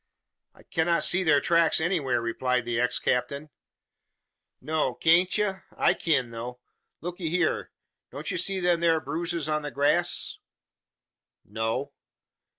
"I cannot see their tracks anywhere," replied the ex captain. "No, kan't ye? I kin though. Lookee hyur! Don't ye see them thur bruises on the grass?" "No."